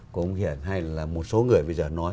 của ông hiển hay là một số người bây giờ nói